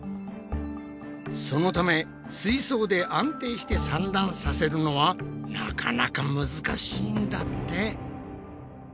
そのため水槽で安定して産卵させるのはなかなか難しいんだって。